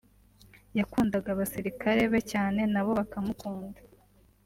yakundaga abasirikare be cyane na bo bakamukunda